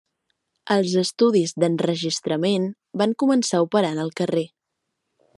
Els estudis d'enregistrament van començar a operar en el carrer.